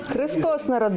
chúa trời đã trở thành